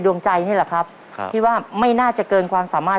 ร้องฝนพลัมเหรอ